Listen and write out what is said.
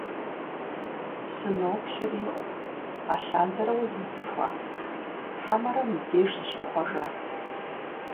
Сыноплъри, алъандэрэ узмыцӀыхуа, хьэмэрэ мыбдеж зыщыпхъуэжа?!